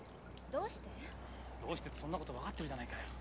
・どうしてってそんなこと分かってるじゃないか。